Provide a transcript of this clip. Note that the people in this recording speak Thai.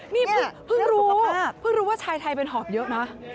นี่พึ่งรู้เพิ่งรู้ว่าชายไทยเป็นหอบเยอะมั้ย